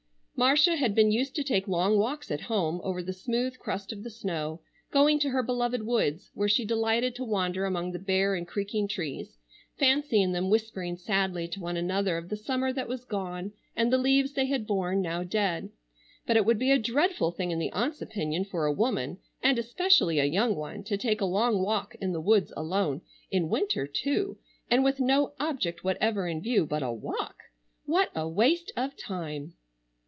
Marcia had been used to take long walks at home, over the smooth crust of the snow, going to her beloved woods, where she delighted to wander among the bare and creaking trees; fancying them whispering sadly to one another of the summer that was gone and the leaves they had borne now dead. But it would be a dreadful thing in the aunts' opinion for a woman, and especially a young one, to take a long walk in the woods alone, in winter too, and with no object whatever in view but a walk! What a waste of time!